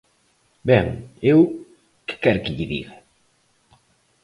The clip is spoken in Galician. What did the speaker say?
Ben, eu ¿que quere que lle diga?